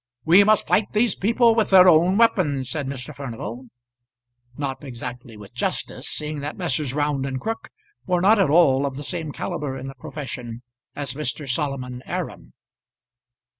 "We must fight these people with their own weapons," said Mr. Furnival; not exactly with justice, seeing that Messrs. Round and Crook were not at all of the same calibre in the profession as Mr. Solomon Aram.